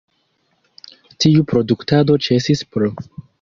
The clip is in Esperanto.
Tiu produktado ĉesis pr.